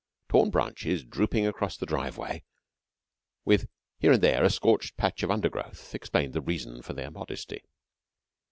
Torn branches drooping across the driveway, with here and there a scorched patch of undergrowth, explained the reason of their modesty.